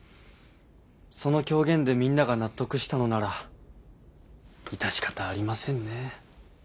その狂言でみんなが納得したのならいたしかたありませんね。